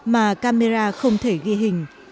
mà camera không thể ghi hình